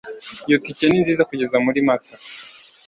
iyo tike ni nziza kugeza muri mata